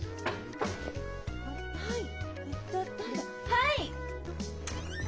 はい！